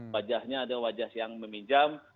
wajahnya ada wajah yang meminjam